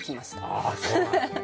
ああそうなんだ。